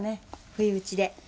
不意打ちで。